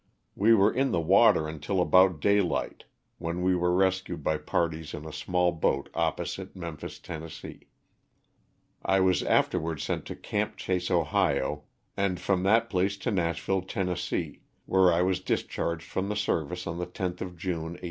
We were in the water until about daylight when we were rescued by parties in a small boat opposite Memphis, Tenn. I was afterwards sent to " Camp Chase," Ohio, and from that place to Nashville, Tenn, where I was dis charged from the service on the 10th of June, 1865.